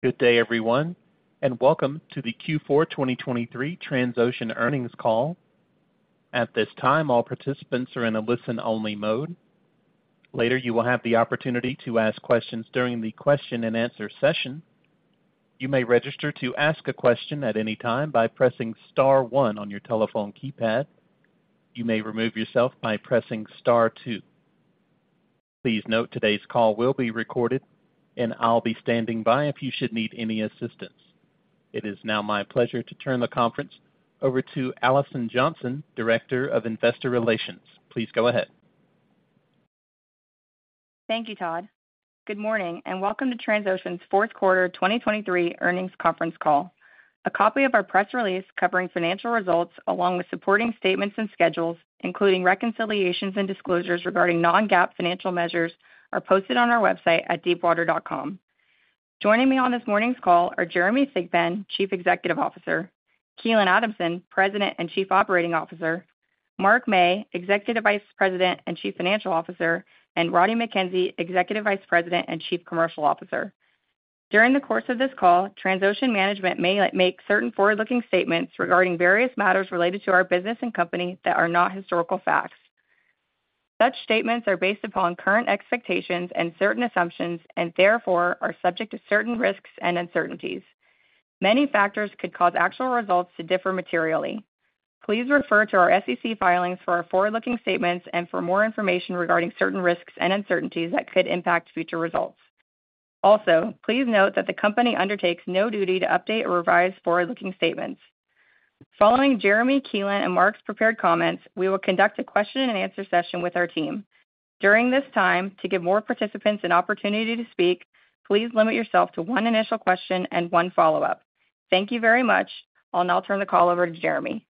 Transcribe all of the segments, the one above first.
Good day, everyone, and welcome to the Q4 2023 Transocean Earnings Call. At this time, all participants are in a listen-only mode. Later, you will have the opportunity to ask questions during the question-and-answer session. You may register to ask a question at any time by pressing star one on your telephone keypad. You may remove yourself by pressing star two. Please note today's call will be recorded, and I'll be standing by if you should need any assistance. It is now my pleasure to turn the conference over to Alison Johnson, Director of Investor Relations. Please go ahead. Thank you, Todd. Good morning, and welcome to Transocean's fourth quarter 2023 earnings conference call. A copy of our press release covering financial results along with supporting statements and schedules, including reconciliations and disclosures regarding non-GAAP financial measures, are posted on our website at deepwater.com. Joining me on this morning's call are Jeremy Thigpen, Chief Executive Officer; Keelan Adamson, President and Chief Operating Officer; Mark Mey, Executive Vice President and Chief Financial Officer; and Roddie Mackenzie, Executive Vice President and Chief Commercial Officer. During the course of this call, Transocean management may make certain forward-looking statements regarding various matters related to our business and company that are not historical facts. Such statements are based upon current expectations and certain assumptions and, therefore, are subject to certain risks and uncertainties. Many factors could cause actual results to differ materially. Please refer to our SEC filings for our forward-looking statements and for more information regarding certain risks and uncertainties that could impact future results. Also, please note that the company undertakes no duty to update or revise forward-looking statements. Following Jeremy, Keelan, and Mark's prepared comments, we will conduct a question-and-answer session with our team. During this time, to give more participants an opportunity to speak, please limit yourself to one initial question and one follow-up. Thank you very much. I'll now turn the call over to Jeremy.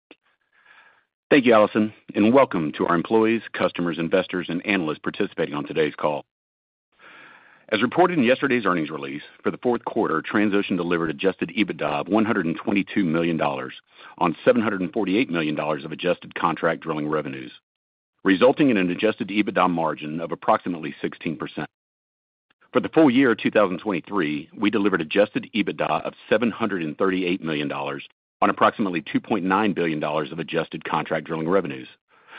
Thank you, Allison, and welcome to our employees, customers, investors, and analysts participating on today's call. As reported in yesterday's earnings release, for the fourth quarter, Transocean delivered Adjusted EBITDA of $122 million on $748 million of adjusted contract drilling revenues, resulting in an Adjusted EBITDA margin of approximately 16%. For the full year 2023, we delivered Adjusted EBITDA of $738 million on approximately $2.9 billion of adjusted contract drilling revenues,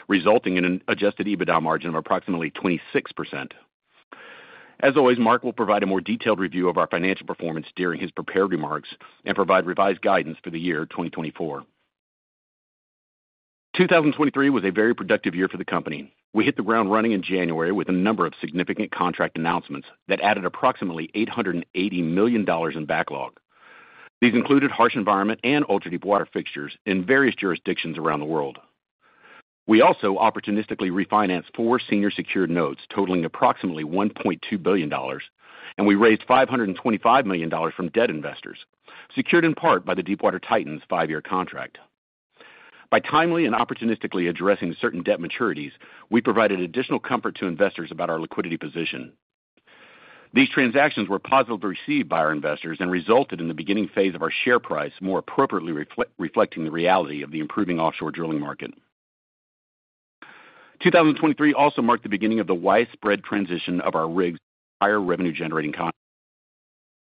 resulting in an Adjusted EBITDA margin of approximately 26%. As always, Mark will provide a more detailed review of our financial performance during his prepared remarks and provide revised guidance for the year 2024. 2023 was a very productive year for the company. We hit the ground running in January with a number of significant contract announcements that added approximately $880 million in backlog. These included harsh environment and ultra-deepwater fixtures in various jurisdictions around the world. We also opportunistically refinanced four senior secured notes totaling approximately $1.2 billion, and we raised $525 million from debt investors, secured in part by the Deepwater Titan's five-year contract. By timely and opportunistically addressing certain debt maturities, we provided additional comfort to investors about our liquidity position. These transactions were positively received by our investors and resulted in the beginning phase of our share price more appropriately reflecting the reality of the improving offshore drilling market. 2023 also marked the beginning of the widespread transition of our rigs to higher revenue-generating contracts.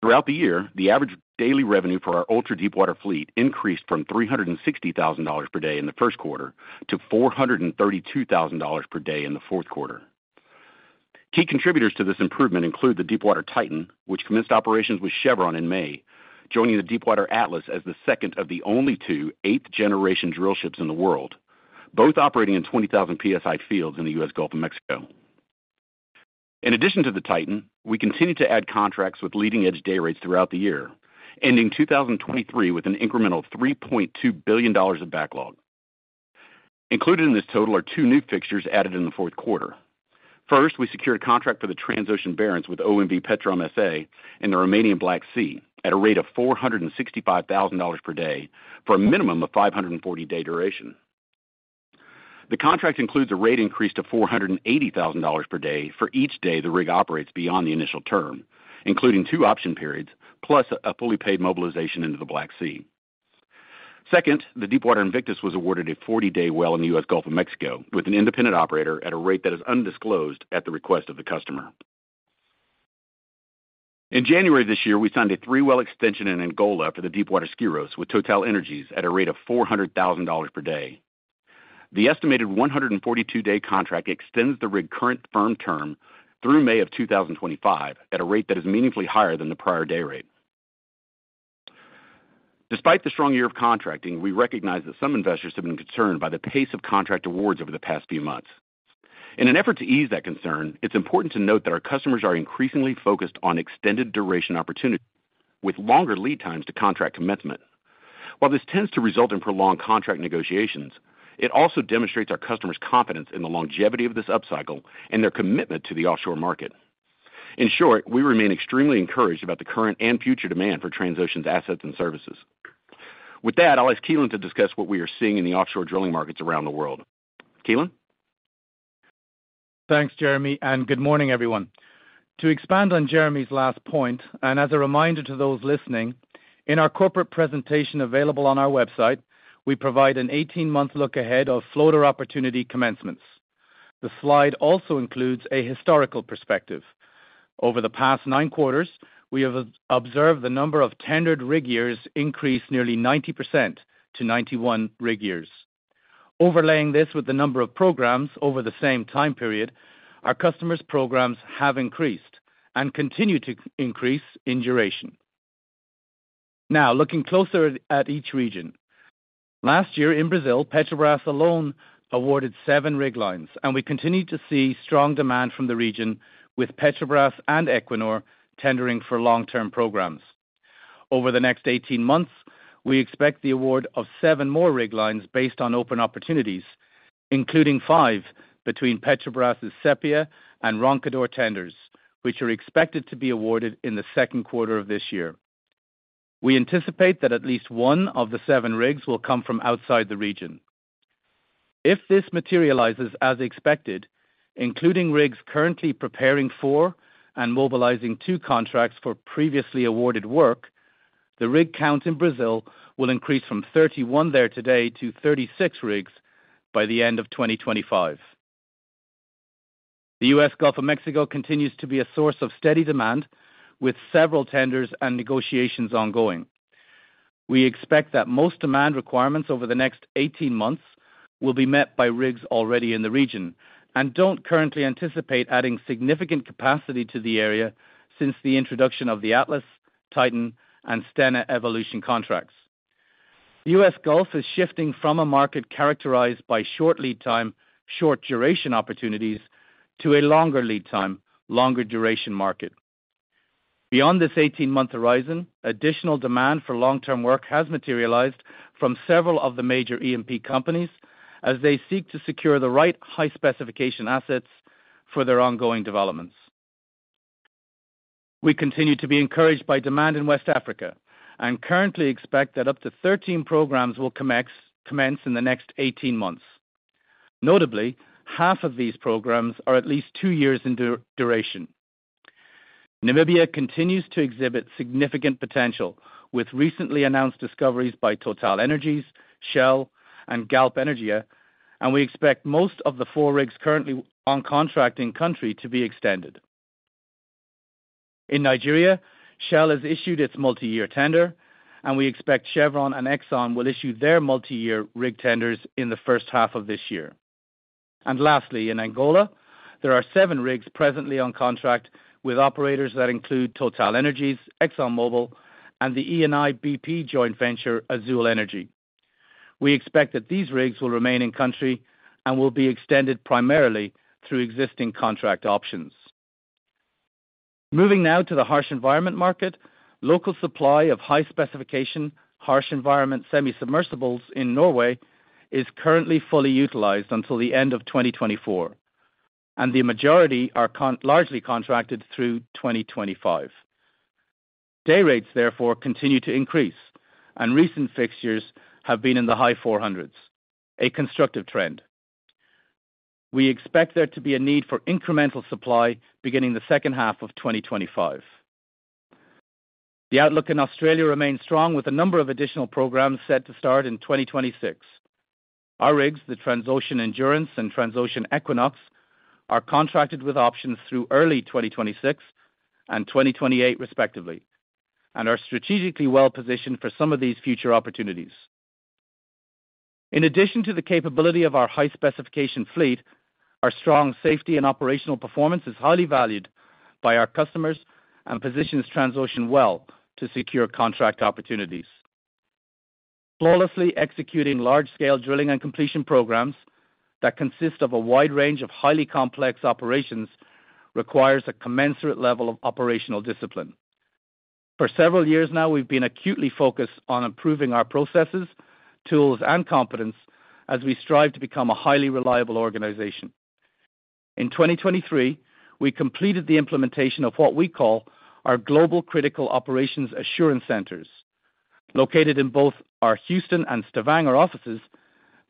Throughout the year, the average daily revenue for our ultra-deepwater fleet increased from $360,000 per day in the first quarter to $432,000 per day in the fourth quarter. Key contributors to this improvement include the Deepwater Titan, which commenced operations with Chevron in May, joining the Deepwater Atlas as the second of the only two eighth-generation drillships in the world, both operating in 20,000 PSI fields in the U.S. Gulf of Mexico. In addition to the Titan, we continue to add contracts with leading-edge day rates throughout the year, ending 2023 with an incremental $3.2 billion of backlog. Included in this total are two new fixtures added in the fourth quarter. First, we secured a contract for the Transocean Barents with OMV Petrom S.A. in the Romanian Black Sea at a rate of $465,000 per day for a minimum of 540-day duration. The contract includes a rate increase to $480,000 per day for each day the rig operates beyond the initial term, including two option periods plus a fully paid mobilization into the Black Sea. Second, the Deepwater Invictus was awarded a 40-day well in the U.S. Gulf of Mexico with an independent operator at a rate that is undisclosed at the request of the customer. In January this year, we signed a three-well extension and enrollment for the Deepwater Skyros with TotalEnergies at a rate of $400,000 per day. The estimated 142-day contract extends the rig's current firm term through May of 2025 at a rate that is meaningfully higher than the prior day rate. Despite the strong year of contracting, we recognize that some investors have been concerned by the pace of contract awards over the past few months. In an effort to ease that concern, it's important to note that our customers are increasingly focused on extended duration opportunities with longer lead times to contract commencement. While this tends to result in prolonged contract negotiations, it also demonstrates our customers' confidence in the longevity of this upcycle and their commitment to the offshore market. In short, we remain extremely encouraged about the current and future demand for Transocean's assets and services. With that, I'll ask Keelan to discuss what we are seeing in the offshore drilling markets around the world. Keelan? Thanks, Jeremy, and good morning, everyone. To expand on Jeremy's last point and as a reminder to those listening, in our corporate presentation available on our website, we provide an 18-month look ahead of floater opportunity commencements. The slide also includes a historical perspective. Over the past nine quarters, we have observed the number of tendered rig years increase nearly 90% to 91 rig years. Overlaying this with the number of programs over the same time period, our customers' programs have increased and continue to increase in duration. Now, looking closer at each region. Last year, in Brazil, Petrobras alone awarded seven rig lines, and we continue to see strong demand from the region with Petrobras and Equinor tendering for long-term programs. Over the next 18 months, we expect the award of 7 more rig lines based on open opportunities, including 5 between Petrobras's Sépia and Roncador tenders, which are expected to be awarded in the second quarter of this year. We anticipate that at least 1 of the 7 rigs will come from outside the region. If this materializes as expected, including rigs currently preparing for and mobilizing to contracts for previously awarded work, the rig count in Brazil will increase from 31 there today to 36 rigs by the end of 2025. The U.S. Gulf of Mexico continues to be a source of steady demand, with several tenders and negotiations ongoing. We expect that most demand requirements over the next 18 months will be met by rigs already in the region and don't currently anticipate adding significant capacity to the area since the introduction of the Atlas, Titan, and Stena Evolution contracts. The U.S. Gulf is shifting from a market characterized by short lead time, short duration opportunities, to a longer lead time, longer duration market. Beyond this 18-month horizon, additional demand for long-term work has materialized from several of the major EMP companies as they seek to secure the right high-specification assets for their ongoing developments. We continue to be encouraged by demand in West Africa and currently expect that up to 13 programs will commence in the next 18 months. Notably, half of these programs are at least two years in duration. Namibia continues to exhibit significant potential with recently announced discoveries by TotalEnergies, Shell, and Galp Energia, and we expect most of the four rigs currently on contract in country to be extended. In Nigeria, Shell has issued its multi-year tender, and we expect Chevron and Exxon will issue their multi-year rig tenders in the first half of this year. Lastly, in Angola, there are seven rigs presently on contract with operators that include TotalEnergies, ExxonMobil, and the Eni and BP joint venture Azule Energy. We expect that these rigs will remain in country and will be extended primarily through existing contract options. Moving now to the harsh environment market, local supply of high-specification harsh environment semi-submersibles in Norway is currently fully utilized until the end of 2024, and the majority are largely contracted through 2025. Day rates, therefore, continue to increase, and recent fixtures have been in the high 400s, a constructive trend. We expect there to be a need for incremental supply beginning the second half of 2025. The outlook in Australia remains strong with a number of additional programs set to start in 2026. Our rigs, the Transocean Endurance and Transocean Equinox, are contracted with options through early 2026 and 2028, respectively, and are strategically well-positioned for some of these future opportunities. In addition to the capability of our high-specification fleet, our strong safety and operational performance is highly valued by our customers and positions Transocean well to secure contract opportunities. Flawlessly executing large-scale drilling and completion programs that consist of a wide range of highly complex operations requires a commensurate level of operational discipline. For several years now, we've been acutely focused on improving our processes, tools, and competence as we strive to become a highly reliable organization. In 2023, we completed the implementation of what we call our Global Critical Operations Assurance Centers. Located in both our Houston and Stavanger offices,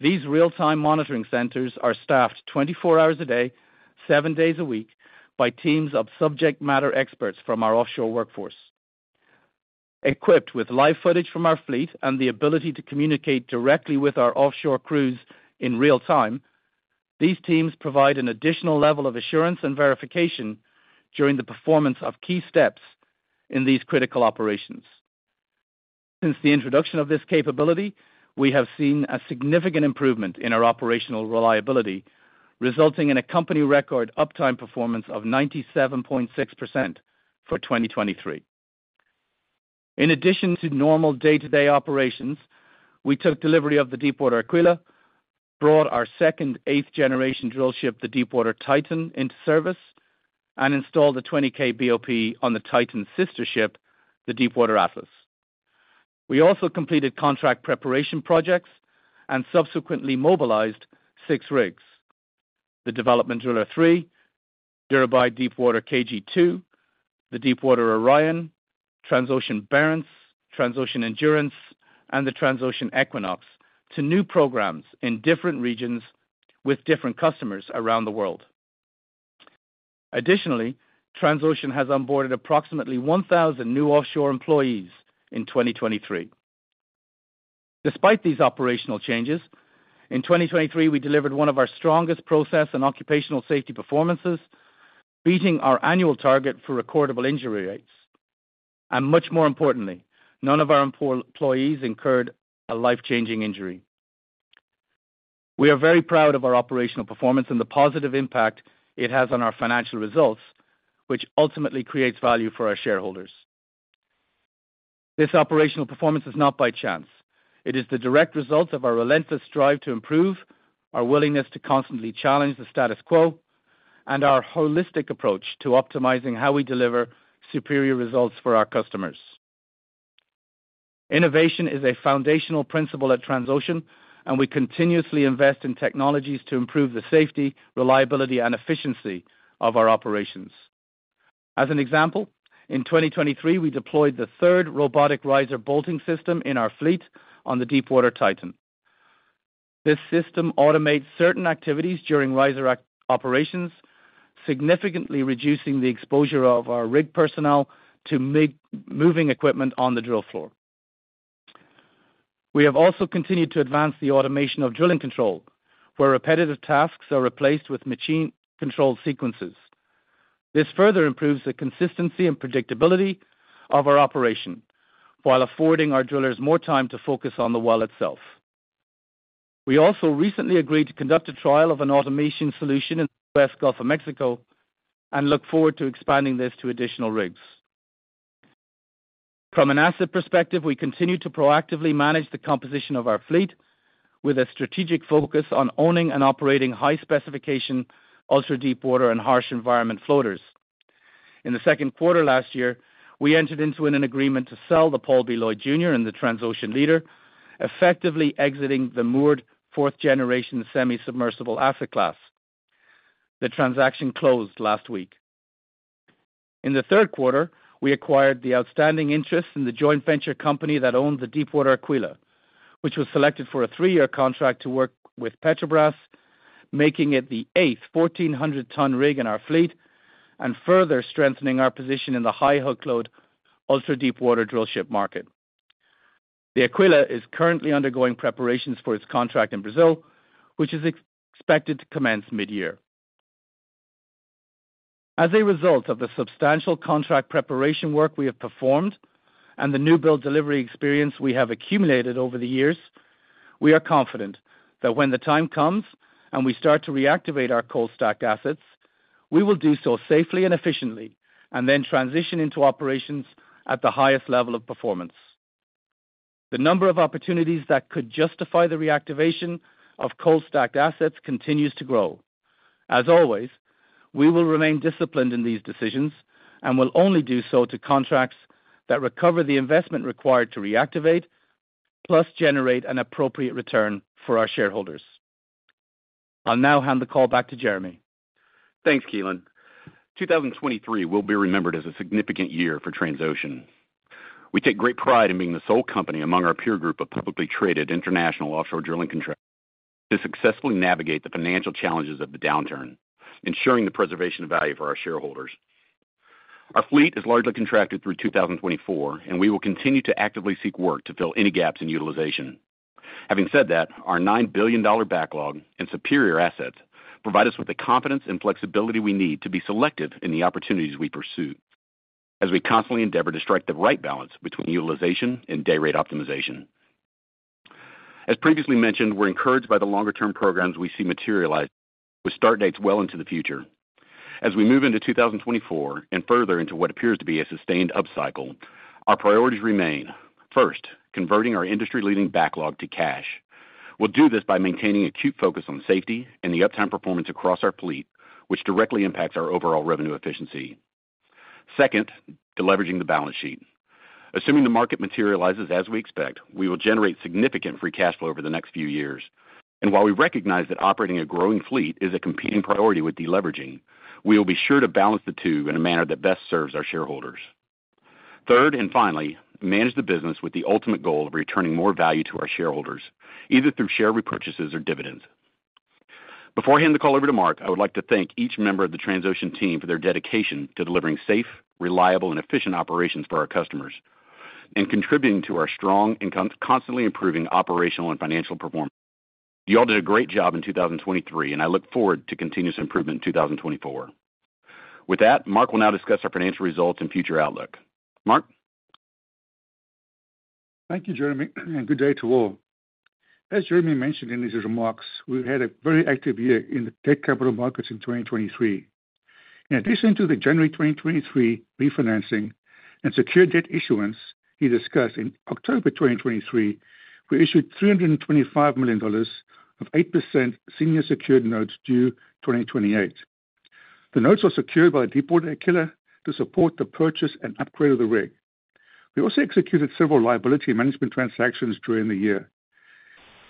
these real-time monitoring centers are staffed 24 hours a day, 7 days a week, by teams of subject matter experts from our offshore workforce. Equipped with live footage from our fleet and the ability to communicate directly with our offshore crews in real time, these teams provide an additional level of assurance and verification during the performance of key steps in these critical operations. Since the introduction of this capability, we have seen a significant improvement in our operational reliability, resulting in a company record uptime performance of 97.6% for 2023. In addition to normal day-to-day operations, we took delivery of the Deepwater Aquila, brought our second eighth-generation drillship, the Deepwater Titan, into service, and installed the 20K BOP on the Titan sister ship, the Deepwater Atlas. We also completed contract preparation projects and subsequently mobilized six rigs: the Development Driller III, Dhirubhai Deepwater KG2, the Deepwater Orion, Transocean Barents, Transocean Endurance, and the Transocean Equinox, to new programs in different regions with different customers around the world. Additionally, Transocean has onboarded approximately 1,000 new offshore employees in 2023. Despite these operational changes, in 2023 we delivered one of our strongest process and occupational safety performances, beating our annual target for recordable injury rates. And much more importantly, none of our employees incurred a life-changing injury. We are very proud of our operational performance and the positive impact it has on our financial results, which ultimately creates value for our shareholders. This operational performance is not by chance. It is the direct result of our relentless drive to improve, our willingness to constantly challenge the status quo, and our holistic approach to optimizing how we deliver superior results for our customers. Innovation is a foundational principle at Transocean, and we continuously invest in technologies to improve the safety, reliability, and efficiency of our operations. As an example, in 2023 we deployed the third robotic riser bolting system in our fleet on the Deepwater Titan. This system automates certain activities during riser operations, significantly reducing the exposure of our rig personnel to moving equipment on the drill floor. We have also continued to advance the automation of drilling control, where repetitive tasks are replaced with machine-controlled sequences. This further improves the consistency and predictability of our operation while affording our drillers more time to focus on the well itself. We also recently agreed to conduct a trial of an automation solution in the U.S. Gulf of Mexico and look forward to expanding this to additional rigs. From an asset perspective, we continue to proactively manage the composition of our fleet with a strategic focus on owning and operating high-specification ultra-deepwater and harsh environment floaters. In the second quarter last year, we entered into an agreement to sell the Paul B. Loyd, Jr. and the Transocean Leader, effectively exiting the moored fourth-generation semi-submersible Africa class. The transaction closed last week. In the third quarter, we acquired the outstanding interest in the joint venture company that owned the Deepwater Aquila, which was selected for a three-year contract to work with Petrobras, making it the eighth 1,400-ton rig in our fleet and further strengthening our position in the high-hookload ultra-deepwater drillship market. The Aquila is currently undergoing preparations for its contract in Brazil, which is expected to commence mid-year. As a result of the substantial contract preparation work we have performed and the new build delivery experience we have accumulated over the years, we are confident that when the time comes and we start to reactivate our cold stack assets, we will do so safely and efficiently and then transition into operations at the highest level of performance. The number of opportunities that could justify the reactivation of cold stack assets continues to grow. As always, we will remain disciplined in these decisions and will only do so to contracts that recover the investment required to reactivate, plus generate an appropriate return for our shareholders. I'll now hand the call back to Jeremy. Thanks, Keelan. 2023 will be remembered as a significant year for Transocean. We take great pride in being the sole company among our peer group of publicly traded international offshore drilling contractors to successfully navigate the financial challenges of the downturn, ensuring the preservation of value for our shareholders. Our fleet is largely contracted through 2024, and we will continue to actively seek work to fill any gaps in utilization. Having said that, our $9 billion backlog and superior assets provide us with the confidence and flexibility we need to be selective in the opportunities we pursue as we constantly endeavor to strike the right balance between utilization and day rate optimization. As previously mentioned, we're encouraged by the longer-term programs we see materialized with start dates well into the future. As we move into 2024 and further into what appears to be a sustained upcycle, our priorities remain. First, converting our industry-leading backlog to cash. We'll do this by maintaining acute focus on safety and the uptime performance across our fleet, which directly impacts our overall revenue efficiency. Second, deleveraging the balance sheet. Assuming the market materializes as we expect, we will generate significant free cash flow over the next few years. And while we recognize that operating a growing fleet is a competing priority with deleveraging, we will be sure to balance the two in a manner that best serves our shareholders. Third, and finally, manage the business with the ultimate goal of returning more value to our shareholders, either through share repurchases or dividends. Before I hand the call over to Mark, I would like to thank each member of the Transocean team for their dedication to delivering safe, reliable, and efficient operations for our customers and contributing to our strong and constantly improving operational and financial performance. You all did a great job in 2023, and I look forward to continuous improvement in 2024. With that, Mark will now discuss our financial results and future outlook. Mark? Thank you, Jeremy, and good day to all. As Jeremy mentioned in his remarks, we've had a very active year in the debt capital markets in 2023. In addition to the January 2023 refinancing and secured debt issuance he discussed in October 2023, we issued $325 million of 8% senior secured notes due 2028. The notes were secured by the Deepwater Aquila to support the purchase and upgrade of the rig. We also executed several liability management transactions during the year.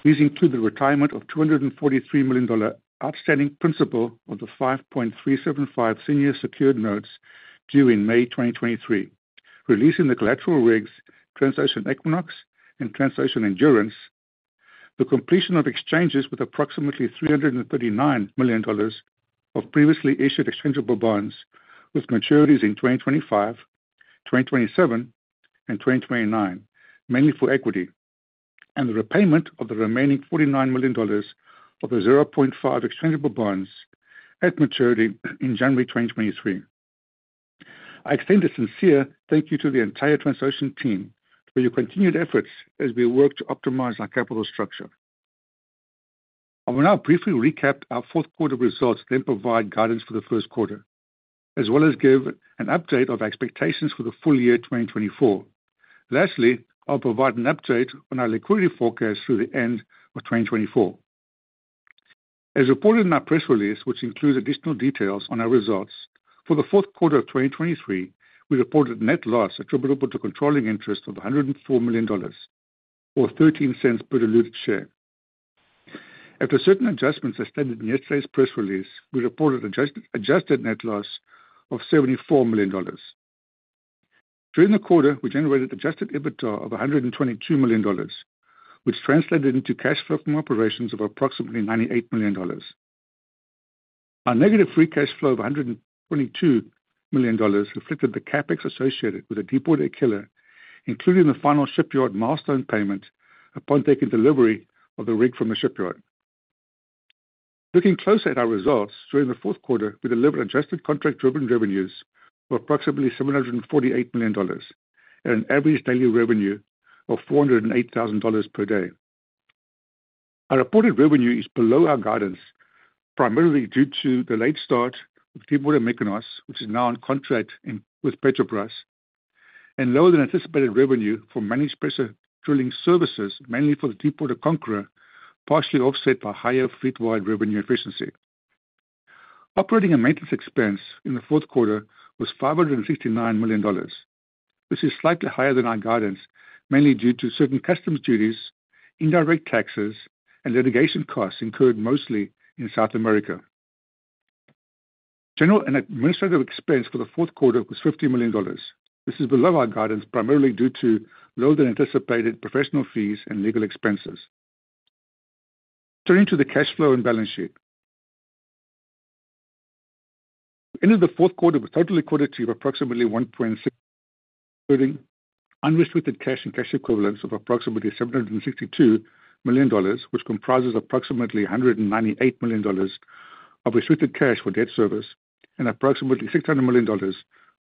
These include the retirement of $243 million outstanding principal of the 5.375 senior secured notes due in May 2023, releasing the collateral rigs Transocean Equinox and Transocean Endurance, the completion of exchanges with approximately $339 million of previously issued exchangeable bonds with maturities in 2025, 2027, and 2029, mainly for equity, and the repayment of the remaining $49 million of the 0.5 exchangeable bonds at maturity in January 2023. I extend a sincere thank you to the entire Transocean team for your continued efforts as we work to optimize our capital structure. I will now briefly recap our fourth quarter results, then provide guidance for the first quarter, as well as give an update of expectations for the full year 2024. Lastly, I'll provide an update on our liquidity forecast through the end of 2024. As reported in our press release, which includes additional details on our results, for the fourth quarter of 2023, we reported net loss attributable to controlling interest of $104 million or $0.13 per diluted share. After certain adjustments as stated in yesterday's press release, we reported adjusted net loss of $74 million. During the quarter, we generated Adjusted EBITDA of $122 million, which translated into cash flow from operations of approximately $98 million. Our negative free cash flow of $122 million reflected the CapEx associated with the Deepwater Aquila, including the final shipyard milestone payment upon taking delivery of the rig from the shipyard. Looking closer at our results during the fourth quarter, we delivered adjusted contract-driven revenues of approximately $748 million and an average daily revenue of $408,000 per day. Our reported revenue is below our guidance, primarily due to the late start of Deepwater Mykonos, which is now on contract with Petrobras, and lower than anticipated revenue for managed pressure drilling services, mainly for the Deepwater Conqueror, partially offset by higher fleet-wide revenue efficiency. Operating and maintenance expense in the fourth quarter was $569 million, which is slightly higher than our guidance, mainly due to certain customs duties, indirect taxes, and litigation costs incurred mostly in South America. General and administrative expense for the fourth quarter was $50 million. This is below our guidance, primarily due to lower than anticipated professional fees and legal expenses. Turning to the cash flow and balance sheet, we ended the fourth quarter with total liquidity of approximately $1.6 billion, including unrestricted cash and cash equivalents of approximately $762 million, which comprises approximately $198 million of restricted cash for debt service and approximately $600 million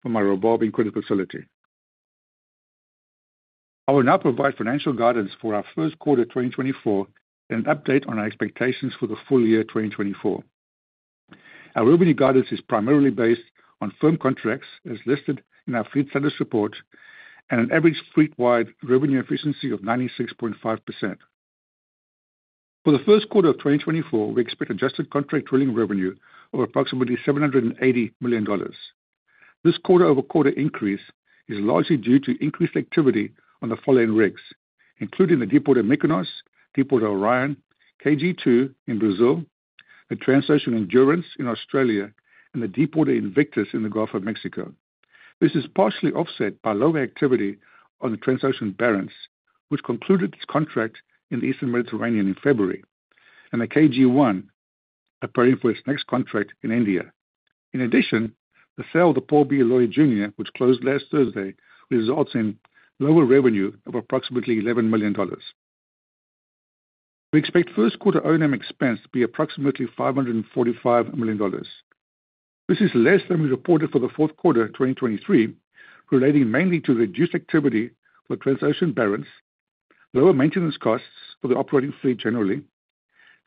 from our revolving credit facility. I will now provide financial guidance for our first quarter 2024 and an update on our expectations for the full year 2024. Our revenue guidance is primarily based on firm contracts as listed in our fleet status report and an average fleet-wide revenue efficiency of 96.5%. For the first quarter of 2024, we expect adjusted contract drilling revenue of approximately $780 million. This quarter-over-quarter increase is largely due to increased activity on the following rigs, including the Deepwater Mykonos, Deepwater Orion, KG2 in Brazil, the Transocean Endurance in Australia, and the Deepwater Invictus in the Gulf of Mexico. This is partially offset by lower activity on the Transocean Barents, which concluded its contract in the Eastern Mediterranean in February, and the KG1, preparing for its next contract in India. In addition, the sale of the Paul B. Loyd, Jr., which closed last Thursday, results in lower revenue of approximately $11 million. We expect first quarter O&M expense to be approximately $545 million. This is less than we reported for the fourth quarter 2023, relating mainly to reduced activity for the Transocean Barents, lower maintenance costs for the operating fleet generally,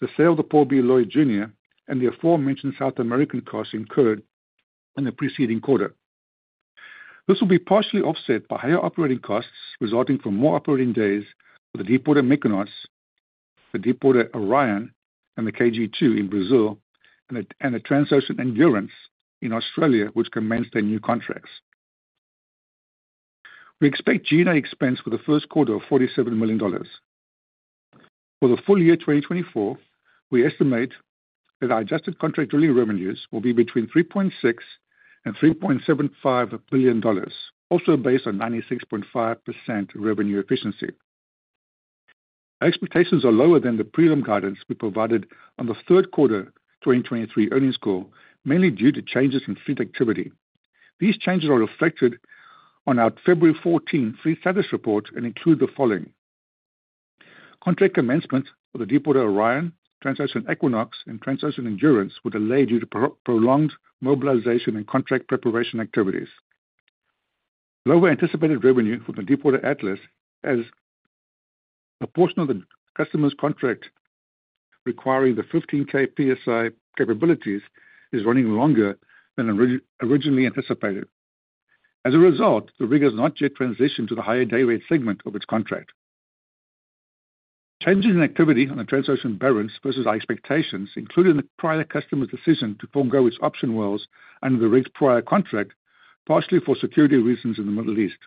the sale of the Paul B. Loyd, Jr., and the aforementioned South American costs incurred in the preceding quarter. This will be partially offset by higher operating costs resulting from more operating days for the Deepwater Mykonos, the Deepwater Orion, and the KG2 in Brazil, and the Transocean Endurance in Australia, which can maintain new contracts. We expect G&A expense for the first quarter of $47 million. For the full year 2024, we estimate that our adjusted contract drilling revenues will be between $3.6-$3.75 billion, also based on 96.5% revenue efficiency. Our expectations are lower than the prelim guidance we provided on the third quarter 2023 earnings call, mainly due to changes in fleet activity. These changes are reflected on our February 14 fleet status report and include the following: contract commencement for the Deepwater Orion, Transocean Equinox, and Transocean Endurance were delayed due to prolonged mobilization and contract preparation activities. Lower anticipated revenue from the Deepwater Atlas, as a portion of the customer's contract requiring the 15K PSI capabilities is running longer than originally anticipated. As a result, the rig has not yet transitioned to the higher day rate segment of its contract. Changes in activity on the Transocean Barents versus our expectations included in the prior customer's decision to forego its option wells under the rig's prior contract, partially for security reasons in the Middle East.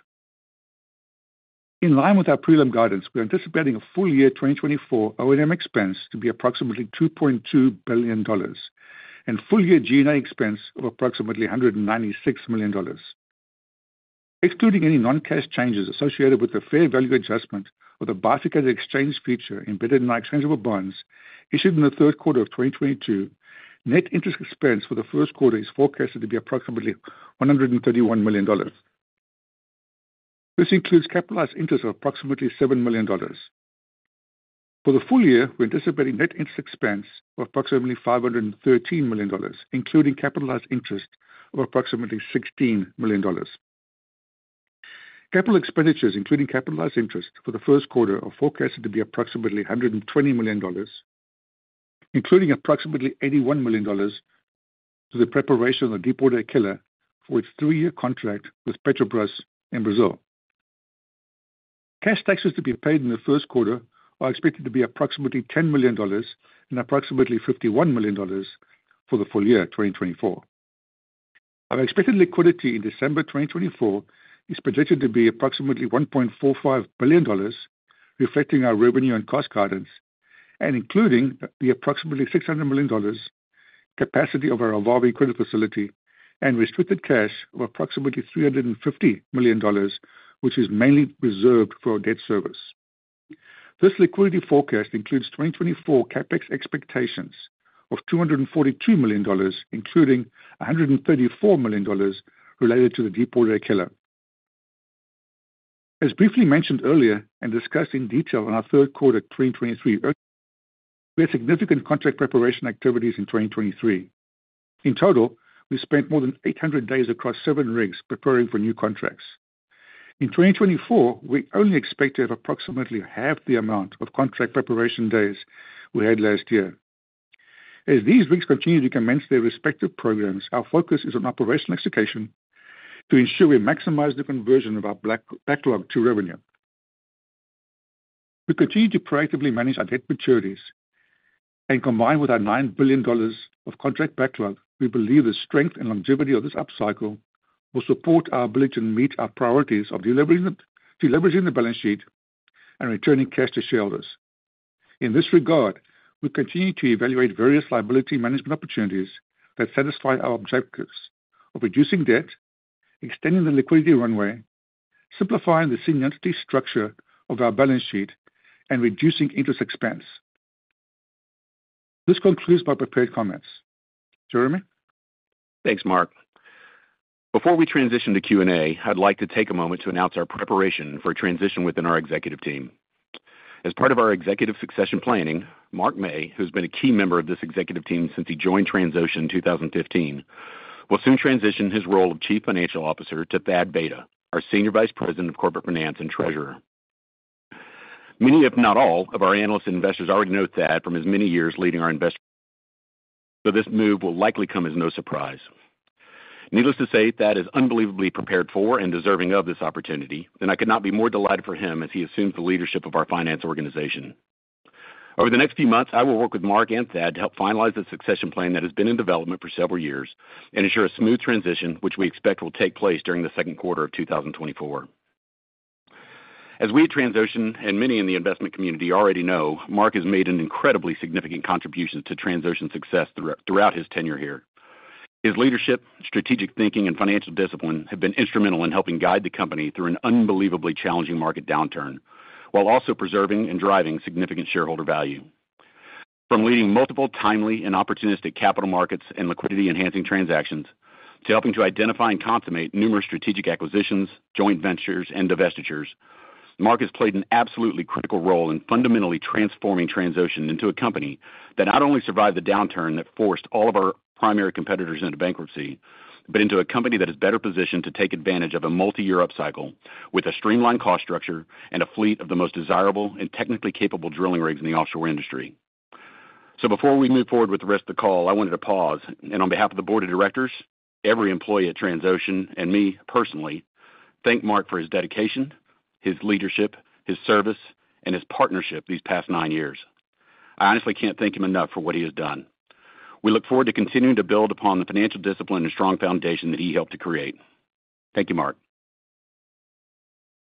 In line with our prelim guidance, we're anticipating a full year 2024 O&M expense to be approximately $2.2 billion and full year G&A expense of approximately $196 million. Excluding any non-cash changes associated with the fair value adjustment or the bifurcated exchange feature embedded in our exchangeable bonds issued in the third quarter of 2022, net interest expense for the first quarter is forecasted to be approximately $131 million. This includes capitalized interest of approximately $7 million. For the full year, we're anticipating net interest expense of approximately $513 million, including capitalized interest of approximately $16 million. Capital expenditures, including capitalized interest for the first quarter, are forecasted to be approximately $120 million, including approximately $81 million to the preparation of the Deepwater Aquila for its three-year contract with Petrobras in Brazil. Cash taxes to be paid in the first quarter are expected to be approximately $10 million and approximately $51 million for the full year 2024. Our expected liquidity in December 2024 is projected to be approximately $1.45 billion, reflecting our revenue and cost guidance and including the approximately $600 million capacity of our Revolving Credit facility and restricted cash of approximately $350 million, which is mainly reserved for our debt service. This liquidity forecast includes 2024 CapEx expectations of $242 million, including $134 million related to the Deepwater Aquila. As briefly mentioned earlier and discussed in detail on our third quarter 2023, we had significant contract preparation activities in 2023. In total, we spent more than 800 days across seven rigs preparing for new contracts. In 2024, we only expect to have approximately half the amount of contract preparation days we had last year. As these rigs continue to commence their respective programs, our focus is on operational execution to ensure we maximize the conversion of our backlog to revenue. We continue to proactively manage our debt maturities and combine with our $9 billion of contract backlog. We believe the strength and longevity of this upcycle will support our ability to meet our priorities of deleveraging the balance sheet and returning cash to shareholders. In this regard, we continue to evaluate various liability management opportunities that satisfy our objectives of reducing debt, extending the liquidity runway, simplifying the seniority structure of our balance sheet, and reducing interest expense. This concludes my prepared comments. Jeremy? Thanks, Mark. Before we transition to Q&A, I'd like to take a moment to announce our preparation for transition within our executive team. As part of our executive succession planning, Mark Mey, who has been a key member of this executive team since he joined Transocean in 2015, will soon transition his role of Chief Financial Officer to Thad Vayda, our Senior Vice President of Corporate Finance and Treasurer. Many, if not all, of our analysts and investors already know Thad from his many years leading our investment, so this move will likely come as no surprise. Needless to say, Thad is unbelievably prepared for and deserving of this opportunity, and I could not be more delighted for him as he assumes the leadership of our finance organization. Over the next few months, I will work with Mark and Thad to help finalize the succession plan that has been in development for several years and ensure a smooth transition, which we expect will take place during the second quarter of 2024. As we at Transocean and many in the investment community already know, Mark has made an incredibly significant contribution to Transocean's success throughout his tenure here. His leadership, strategic thinking, and financial discipline have been instrumental in helping guide the company through an unbelievably challenging market downturn while also preserving and driving significant shareholder value. From leading multiple timely and opportunistic capital markets and liquidity-enhancing transactions to helping to identify and consummate numerous strategic acquisitions, joint ventures, and divestitures, Mark has played an absolutely critical role in fundamentally transforming Transocean into a company that not only survived the downturn that forced all of our primary competitors into bankruptcy but into a company that is better positioned to take advantage of a multi-year upcycle with a streamlined cost structure and a fleet of the most desirable and technically capable drilling rigs in the offshore industry. So before we move forward with the rest of the call, I wanted to pause, and on behalf of the board of directors, every employee at Transocean, and me personally, thank Mark for his dedication, his leadership, his service, and his partnership these past nine years. I honestly can't thank him enough for what he has done. We look forward to continuing to build upon the financial discipline and strong foundation that he helped to create. Thank you, Mark.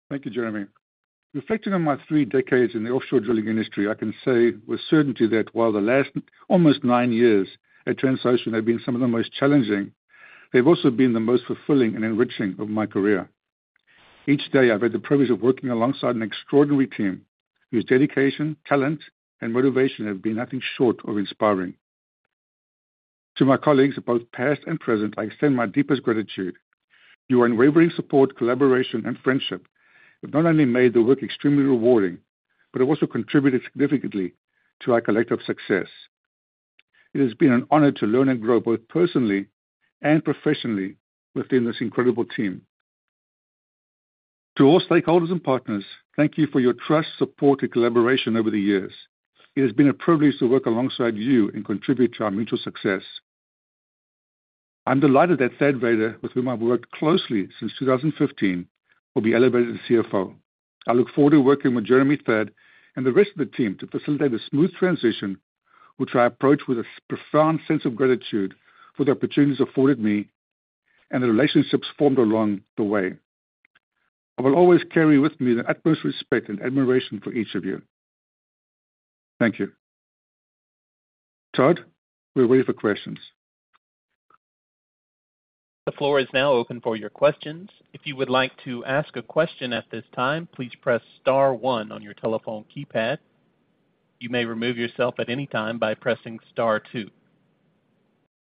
Thank you, Jeremy. Reflecting on my three decades in the offshore drilling industry, I can say with certainty that while the last almost nine years at Transocean have been some of the most challenging, they've also been the most fulfilling and enriching of my career. Each day, I've had the privilege of working alongside an extraordinary team whose dedication, talent, and motivation have been nothing short of inspiring. To my colleagues at both past and present, I extend my deepest gratitude. Your unwavering support, collaboration, and friendship have not only made the work extremely rewarding but have also contributed significantly to our collective success. It has been an honor to learn and grow both personally and professionally within this incredible team. To all stakeholders and partners, thank you for your trust, support, and collaboration over the years. It has been a privilege to work alongside you and contribute to our mutual success. I'm delighted that Thad Vayda, with whom I've worked closely since 2015, will be elevated to CFO. I look forward to working with Jeremy, Thad and the rest of the team to facilitate a smooth transition which I approach with a profound sense of gratitude for the opportunities afforded me and the relationships formed along the way. I will always carry with me the utmost respect and admiration for each of you. Thank you. Todd, we're ready for questions. The floor is now open for your questions. If you would like to ask a question at this time, please press star one on your telephone keypad. You may remove yourself at any time by pressing star two.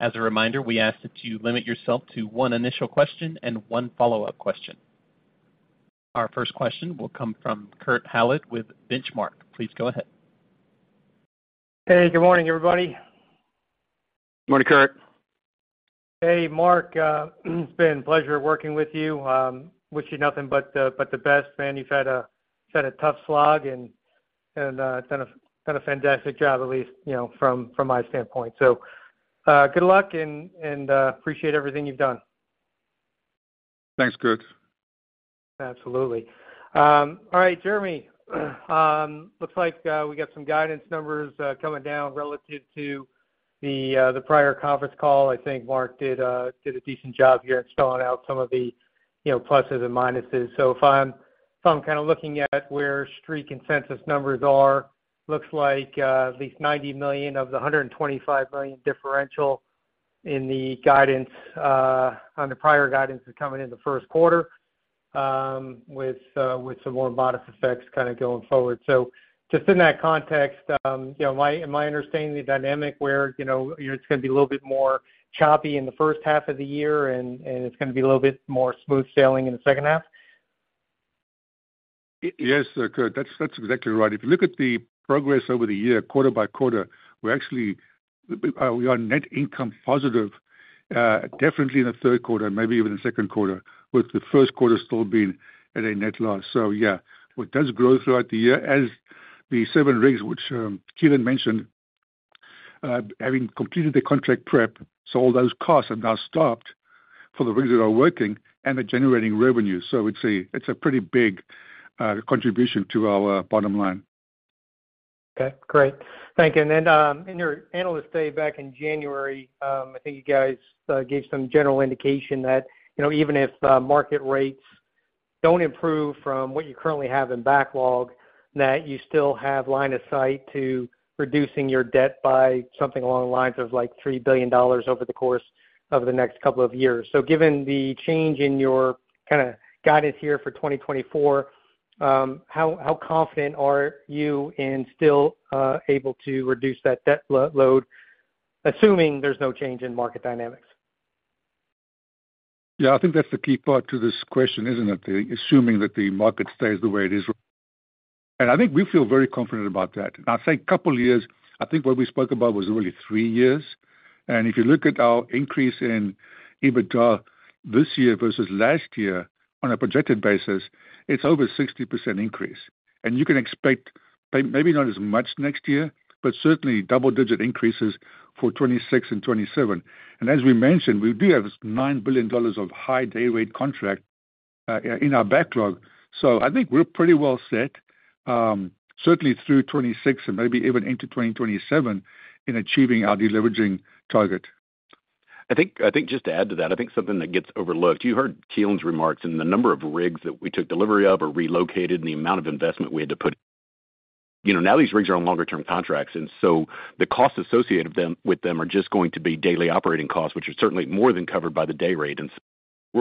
As a reminder, we ask that you limit yourself to one initial question and one follow-up question. Our first question will come from Kurt Hallead with Benchmark. Please go ahead. Hey, good morning, everybody. Morning, Kurt. Hey, Mark. It's been a pleasure working with you. Wish you nothing but the best, man. You've had a tough slog and done a fantastic job, at least from my standpoint. So good luck and appreciate everything you've done. Thanks, Kurt. Absolutely. All right, Jeremy. Looks like we got some guidance numbers coming down relative to the prior conference call. I think Mark did a decent job here in spelling out some of the pluses and minuses. So if I'm kind of looking at where street consensus numbers are, it looks like at least $90 million of the $125 million differential in the prior guidance is coming in the first quarter with some more modest effects kind of going forward. So just in that context, am I understanding the dynamic where it's going to be a little bit more choppy in the first half of the year and it's going to be a little bit more smooth sailing in the second half? Yes, Kurt, that's exactly right. If you look at the progress over the year, quarter by quarter, we are net income positive, definitely in the third quarter, maybe even in the second quarter, with the first quarter still being at a net loss. So yeah, what does grow throughout the year as the seven rigs, which Keelan mentioned, having completed the contract prep, so all those costs have now stopped for the rigs that are working and are generating revenue. So it's a pretty big contribution to our bottom line. Okay, great. Thank you. And then in your analyst day back in January, I think you guys gave some general indication that even if market rates don't improve from what you currently have in backlog, that you still have line of sight to reducing your debt by something along the lines of $3 billion over the course of the next couple of years. So given the change in your kind of guidance here for 2024, how confident are you in still able to reduce that debt load, assuming there's no change in market dynamics? Yeah, I think that's the key part to this question, isn't it? Assuming that the market stays the way it is. And I think we feel very confident about that. Now, I'd say a couple of years, I think what we spoke about was really three years. And if you look at our increase in EBITDA this year versus last year on a projected basis, it's over a 60% increase. And you can expect maybe not as much next year, but certainly double-digit increases for 2026 and 2027. And as we mentioned, we do have $9 billion of high day rate contract in our backlog. So I think we're pretty well set, certainly through 2026 and maybe even into 2027, in achieving our deleveraging target. I think just to add to that, I think something that gets overlooked, you heard Keelan's remarks and the number of rigs that we took delivery of or relocated and the amount of investment we had to put in. Now, these rigs are on longer-term contracts, and so the costs associated with them are just going to be daily operating costs, which are certainly more than covered by the day rate. And so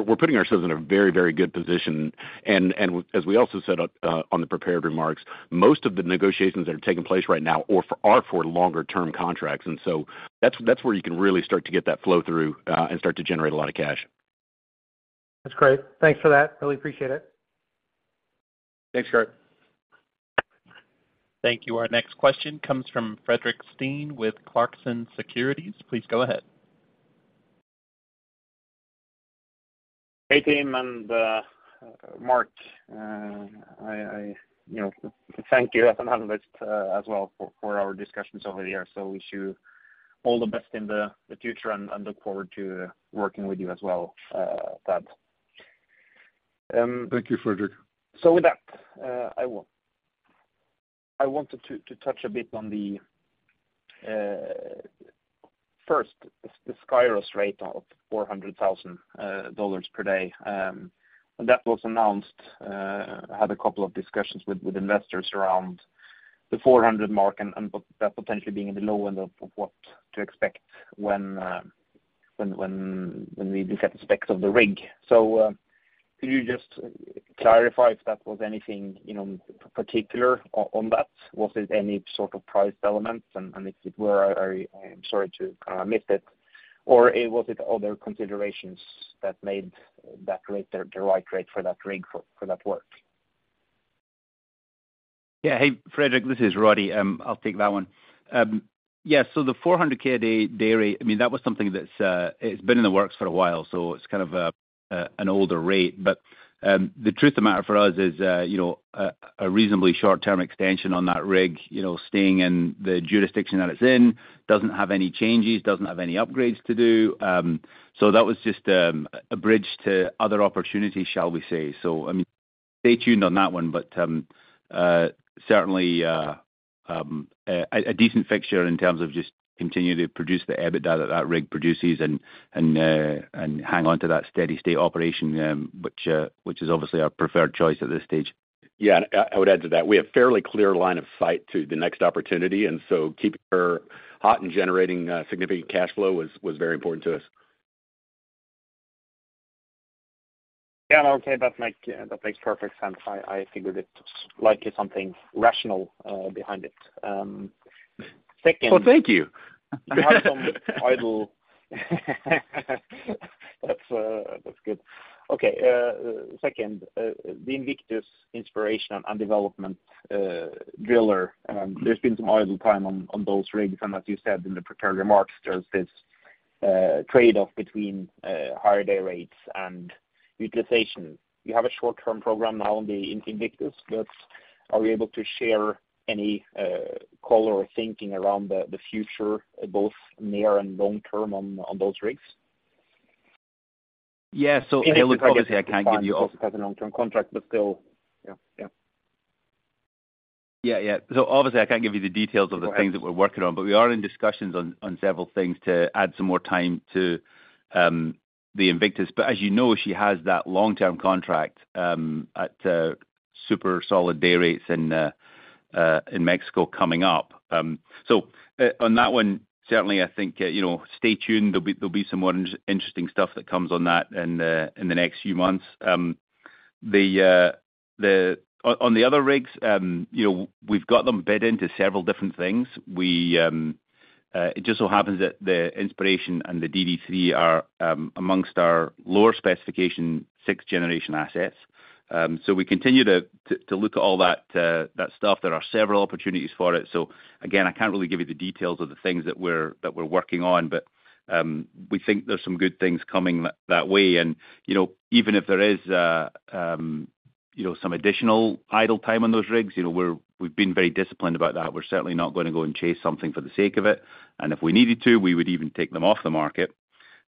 we're putting ourselves in a very, very good position. And as we also said on the prepared remarks, most of the negotiations that are taking place right now are for longer-term contracts. And so that's where you can really start to get that flow through and start to generate a lot of cash. That's great. Thanks for that. Really appreciate it. Thanks, Kurt. Thank you. Our next question comes from Fredrik Stene with Clarksons Securities. Please go ahead. Hey, team. Mark, thank you as an analyst as well for our discussions over the year. We wish you all the best in the future and look forward to working with you as well, Thad. Thank you, Fredrik. So with that, I wanted to touch a bit on the first, the Skyros rate of $400,000 per day. And that was announced, had a couple of discussions with investors around the 400 mark and that potentially being in the low end of what to expect when we look at the specs of the rig. So could you just clarify if that was anything particular on that? Was it any sort of price elements? And if it were, I'm sorry to kind of miss it. Or was it other considerations that made that rate the right rate for that rig for that work? Yeah. Hey, Fredrik, this is Roddie. I'll take that one. Yeah, so the $400,000 a day rate, I mean, that was something that's been in the works for a while, so it's kind of an older rate. But the truth of the matter for us is a reasonably short-term extension on that rig, staying in the jurisdiction that it's in, doesn't have any changes, doesn't have any upgrades to do. So that was just a bridge to other opportunities, shall we say. So I mean, stay tuned on that one, but certainly a decent fixture in terms of just continuing to produce the EBITDA that that rig produces and hang onto that steady-state operation, which is obviously our preferred choice at this stage. Yeah, and I would add to that, we have a fairly clear line of sight to the next opportunity. Keeping her hot and generating significant cash flow was very important to us. Yeah, no, okay, that makes perfect sense. I figured it's likely something rational behind it. Second. Well, thank you. We have some idle. That's good. Okay, second, the Invictus Inspiration and Development Driller, there's been some idle time on those rigs. And as you said in the prepared remarks, there's this trade-off between higher day rates and utilization. You have a short-term program now in Invictus, but are you able to share any color or thinking around the future, both near and long-term, on those rigs? Yeah, so obviously, I can't give you all. It's not a long-term contract, but still. Yeah, yeah. Yeah, yeah. So obviously, I can't give you the details of the things that we're working on, but we are in discussions on several things to add some more time to the Invictus. But as you know, she has that long-term contract at super solid day rates in Mexico coming up. So on that one, certainly, I think stay tuned. There'll be some more interesting stuff that comes on that in the next few months. On the other rigs, we've got them bid into several different things. It just so happens that the Inspiration and the DD3 are amongst our lower-specification sixth-generation assets. So we continue to look at all that stuff. There are several opportunities for it. So again, I can't really give you the details of the things that we're working on, but we think there's some good things coming that way. And even if there is some additional idle time on those rigs, we've been very disciplined about that. We're certainly not going to go and chase something for the sake of it. And if we needed to, we would even take them off the market.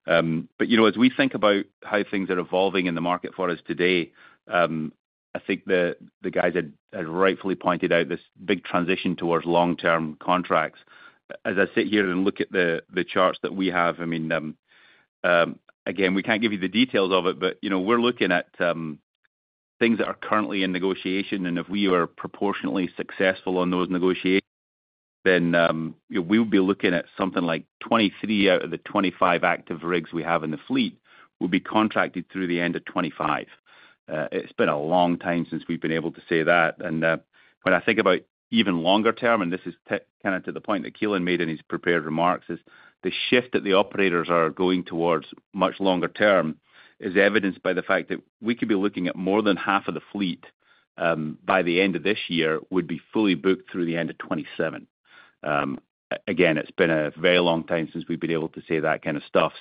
But as we think about how things are evolving in the market for us today, I think the guys had rightfully pointed out this big transition towards long-term contracts. As I sit here and look at the charts that we have, I mean, again, we can't give you the details of it, but we're looking at things that are currently in negotiation. And if we were proportionately successful on those negotiations, then we would be looking at something like 23 out of the 25 active rigs we have in the fleet will be contracted through the end of 2025. It's been a long time since we've been able to say that. When I think about even longer-term, and this is kind of to the point that Keelan made in his prepared remarks, is the shift that the operators are going towards much longer-term is evidenced by the fact that we could be looking at more than half of the fleet by the end of this year would be fully booked through the end of 2027. Again, it's been a very long time since we've been able to say that kind of stuff.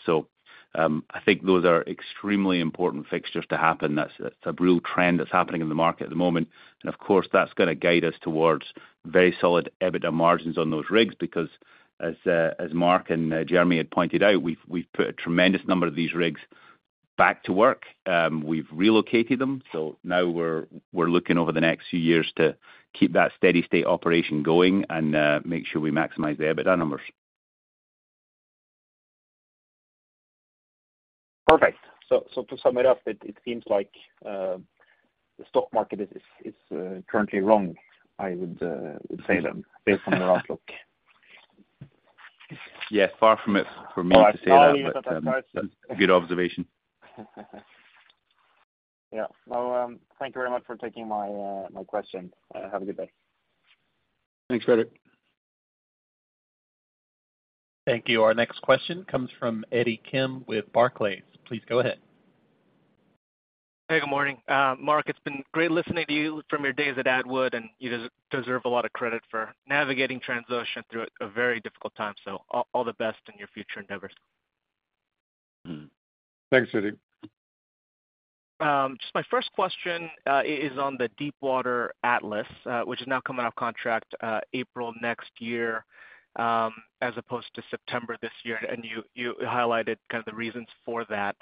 I think those are extremely important fixtures to happen. That's a real trend that's happening in the market at the moment. And of course, that's going to guide us towards very solid EBITDA margins on those rigs because, as Mark and Jeremy had pointed out, we've put a tremendous number of these rigs back to work. We've relocated them. So now we're looking over the next few years to keep that steady-state operation going and make sure we maximize the EBITDA numbers. Perfect. So to sum it up, it seems like the stock market is currently wrong, I would say then, based on your outlook. Yeah, far from it for me to say that. I'll agree with that. That's a good observation. Yeah. Well, thank you very much for taking my question. Have a good day. Thanks, Frederick. Thank you. Our next question comes from Eddie Kim with Barclays. Please go ahead. Hey, good morning. Mark, it's been great listening to you from your days at Anadarko, and you deserve a lot of credit for navigating Transocean through a very difficult time. So all the best in your future endeavors. Thanks, Eddie. Just my first question is on the Deepwater Atlas, which is now coming off contract April next year as opposed to September this year. You highlighted kind of the reasons for that.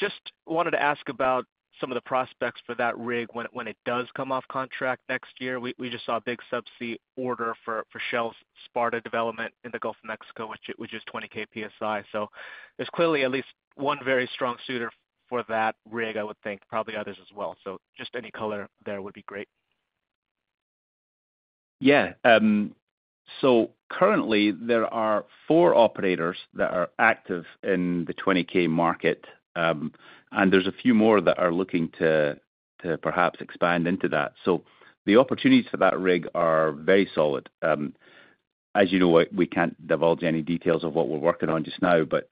Just wanted to ask about some of the prospects for that rig when it does come off contract next year. We just saw a big subsea order for Shell's Sparta development in the Gulf of Mexico, which is 20K PSI. There's clearly at least one very strong suitor for that rig, I would think, probably others as well. Just any color there would be great. Yeah. So currently, there are four operators that are active in the 20K market, and there's a few more that are looking to perhaps expand into that. So the opportunities for that rig are very solid. As you know, we can't divulge any details of what we're working on just now, but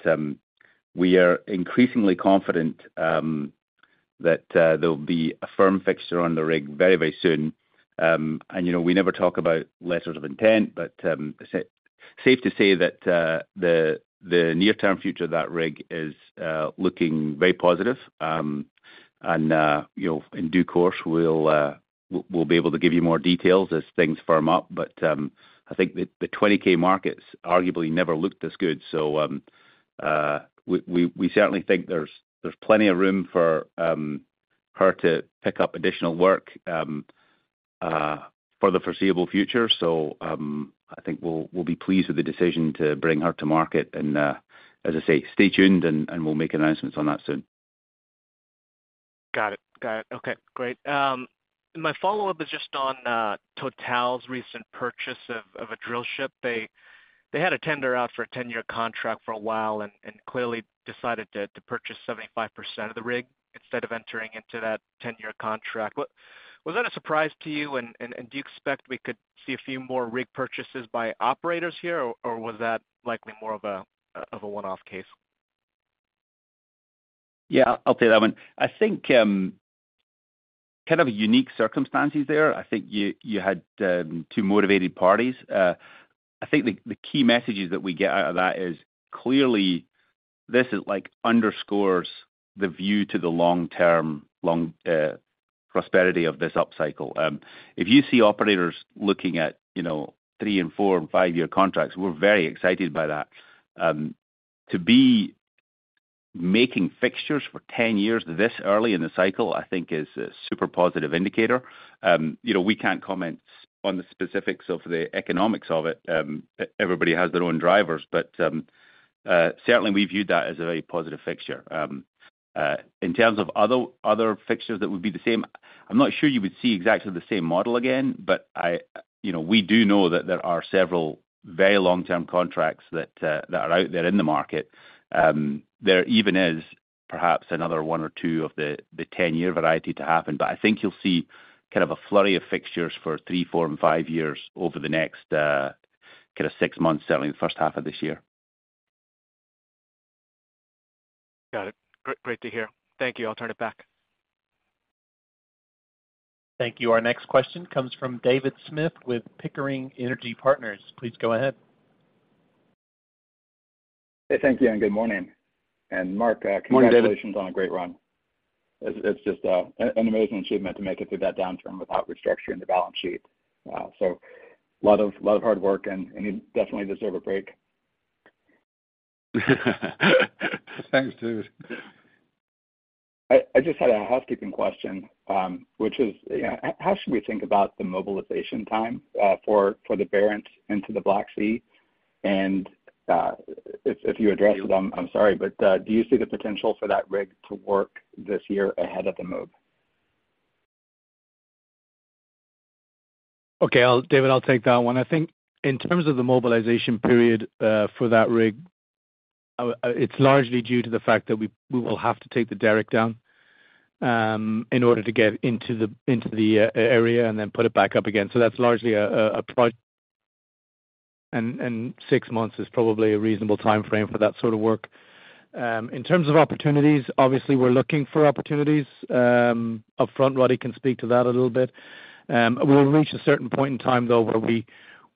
we are increasingly confident that there'll be a firm fixture on the rig very, very soon. And we never talk about letters of intent, but it's safe to say that the near-term future of that rig is looking very positive. And in due course, we'll be able to give you more details as things firm up. But I think the 20K market's arguably never looked this good. So we certainly think there's plenty of room for her to pick up additional work for the foreseeable future. I think we'll be pleased with the decision to bring her to market. As I say, stay tuned, and we'll make announcements on that soon. Got it. Got it. Okay, great. My follow-up is just on TotalEnergies' recent purchase of a drillship. They had a tender out for a 10-year contract for a while and clearly decided to purchase 75% of the rig instead of entering into that 10-year contract. Was that a surprise to you? And do you expect we could see a few more rig purchases by operators here, or was that likely more of a one-off case? Yeah, I'll say that one. I think kind of unique circumstances there. I think the key messages that we get out of that is clearly this underscores the view to the long-term prosperity of this upcycle. If you see operators looking at 3- and 4- and 5-year contracts, we're very excited by that. To be making fixtures for 10 years this early in the cycle, I think, is a super positive indicator. We can't comment on the specifics of the economics of it. Everybody has their own drivers. But certainly, we viewed that as a very positive fixture. In terms of other fixtures that would be the same, I'm not sure you would see exactly the same model again, but we do know that there are several very long-term contracts that are out there in the market. There even is perhaps another 1 or 2 of the 10-year variety to happen. But I think you'll see kind of a flurry of fixtures for 3, 4, and 5 years over the next kind of 6 months, certainly the first half of this year. Got it. Great to hear. Thank you. I'll turn it back. Thank you. Our next question comes from David Smith with Pickering Energy Partners. Please go ahead. Hey, thank you, and good morning. Mark, congratulations on a great run. It's just an amazing achievement to make it through that downturn without restructuring the balance sheet. A lot of hard work, and you definitely deserve a break. Thanks, dude. I just had a housekeeping question, which is, how should we think about the mobilization time for the Barents into the Black Sea? If you addressed them, I'm sorry, but do you see the potential for that rig to work this year ahead of the move? Okay, David, I'll take that one. I think in terms of the mobilization period for that rig, it's largely due to the fact that we will have to take the derrick down in order to get into the area and then put it back up again. So that's largely a project, and six months is probably a reasonable timeframe for that sort of work. In terms of opportunities, obviously, we're looking for opportunities. Upfront, Roddie can speak to that a little bit. We'll reach a certain point in time, though, where we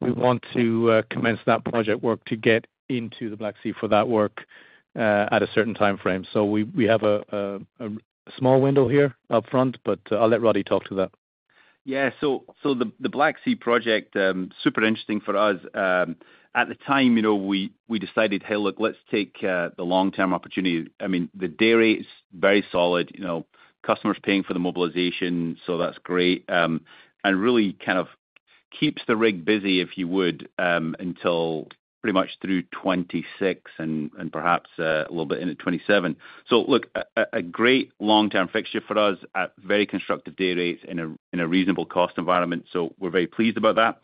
want to commence that project work to get into the Black Sea for that work at a certain timeframe. So we have a small window here upfront, but I'll let Roddie talk to that. Yeah, so the Black Sea project, super interesting for us. At the time, we decided, "Hey, look, let's take the long-term opportunity." I mean, the day rate is very solid. Customer's paying for the mobilization, so that's great. And really kind of keeps the rig busy, if you would, until pretty much through 2026 and perhaps a little bit into 2027. So look, a great long-term fixture for us at very constructive day rates in a reasonable cost environment. So we're very pleased about that.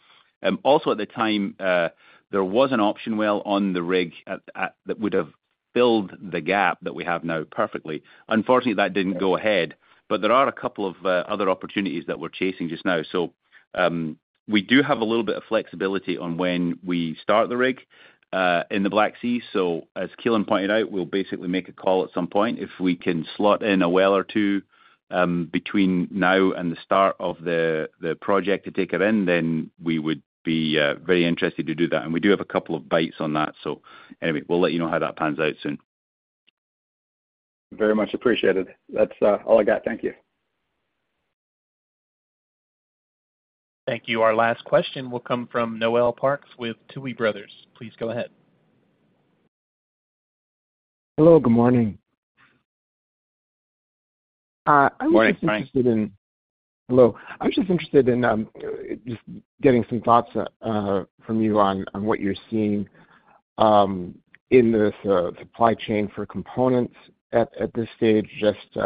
Also, at the time, there was an option well on the rig that would have filled the gap that we have now perfectly. Unfortunately, that didn't go ahead. But there are a couple of other opportunities that we're chasing just now. So we do have a little bit of flexibility on when we start the rig in the Black Sea. As Keelan pointed out, we'll basically make a call at some point. If we can slot in a well or two between now and the start of the project to take her in, then we would be very interested to do that. We do have a couple of bites on that. Anyway, we'll let you know how that pans out soon. Very much appreciated. That's all I got. Thank you. Thank you. Our last question will come from Noel Parks with Tuohy Brothers. Please go ahead. Hello. Good morning. I was just interested in just getting some thoughts from you on what you're seeing in the supply chain for components at this stage. Just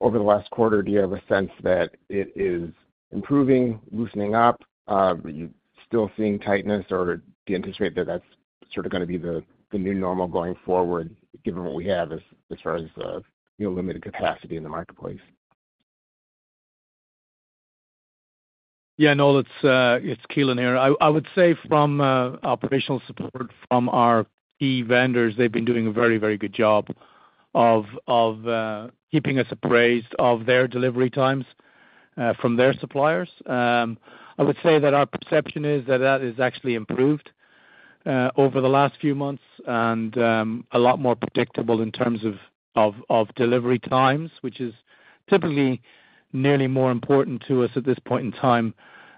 over the last quarter, do you have a sense that it is improving, loosening up? Are you still seeing tightness, or do you anticipate that that's sort of going to be the new normal going forward, given what we have as far as limited capacity in the marketplace? Yeah, no, it's Keelan here. I would say from operational support from our key vendors, they've been doing a very, very good job of keeping us appraised of their delivery times from their suppliers. I would say that our perception is that that is actually improved over the last few months and a lot more predictable in terms of delivery times, which is typically nearly more important to us at this point in time.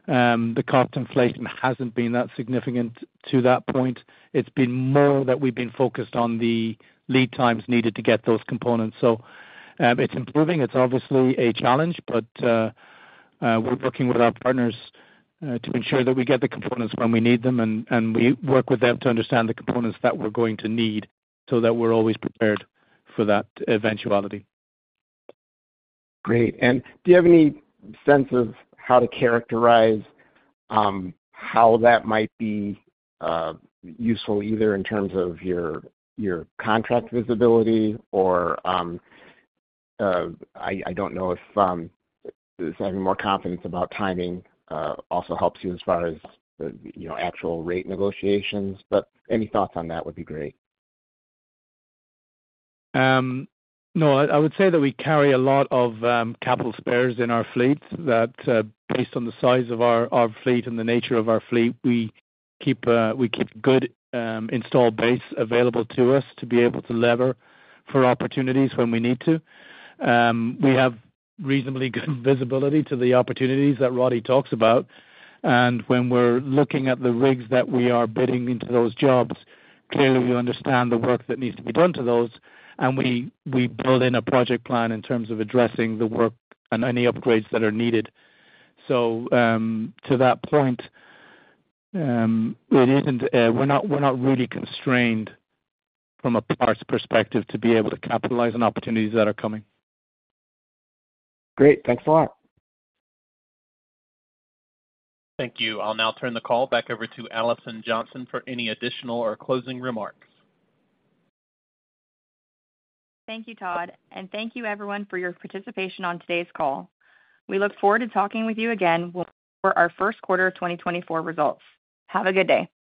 The cost inflation hasn't been that significant to that point. It's been more that we've been focused on the lead times needed to get those components. So it's improving. It's obviously a challenge, but we're working with our partners to ensure that we get the components when we need them. And we work with them to understand the components that we're going to need so that we're always prepared for that eventuality. Great. Do you have any sense of how to characterize how that might be useful, either in terms of your contract visibility or I don't know if having more confidence about timing also helps you as far as actual rate negotiations? But any thoughts on that would be great. No, I would say that we carry a lot of capital spares in our fleet that, based on the size of our fleet and the nature of our fleet, we keep good installed base available to us to be able to lever for opportunities when we need to. We have reasonably good visibility to the opportunities that Roddie talks about. And when we're looking at the rigs that we are bidding into those jobs, clearly, we understand the work that needs to be done to those. And we build in a project plan in terms of addressing the work and any upgrades that are needed. So to that point, we're not really constrained from a parts perspective to be able to capitalize on opportunities that are coming. Great. Thanks a lot. Thank you. I'll now turn the call back over to Alison Johnson for any additional or closing remarks. Thank you, Todd. Thank you, everyone, for your participation on today's call. We look forward to talking with you again for our first quarter of 2024 results. Have a good day.